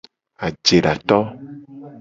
Ajedato.